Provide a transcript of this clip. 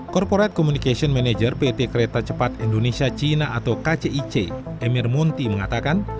corporate communication manager pt kereta cepat indonesia cina atau kcic emir munti mengatakan